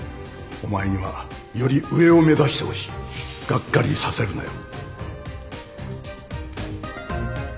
お前にはより上を目指してほしいがっかりさせるなよ